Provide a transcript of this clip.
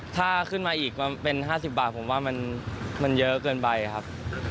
ถ้าขึ้นมาอีกเป็น๕๐บาทผมว่ามันเยอะเกินไปครับ